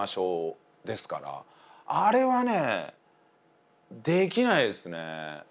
あれはねできないですね。